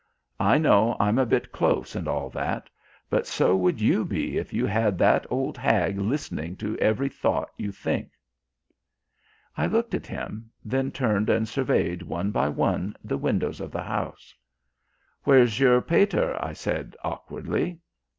I know I'm a bit close and all that. But so would you be if you had that old hag listening to every thought you think." I looked at him, then turned and surveyed one by one the windows of the house. "Where's your pater?" I said awkwardly.